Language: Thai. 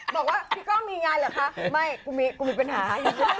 บอกว่าพี่ก้องมีงานเหรอคะไม่กูมีปัญหา